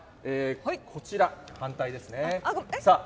こちら、反対ですね。